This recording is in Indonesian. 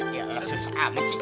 yalah susah amat sih